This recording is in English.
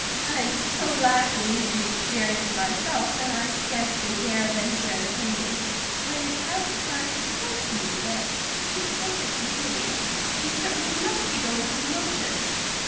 I am so lacking in experience myself that I scarcely dare venture an opinion, but it has at times appealed to me that if he isn't really, he certainly must be going through the motions."